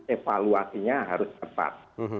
evaluasinya harus tepat